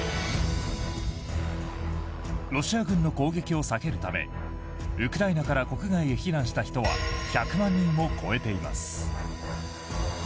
ロシア軍の攻撃を避けるためウクライナから国外へ避難した人は１００万人を超えています。